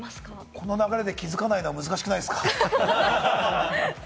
この流れで気付かないのは難しくないですか？